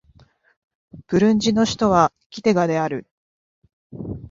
ブルンジの首都はギテガである